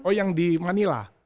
oh yang di manila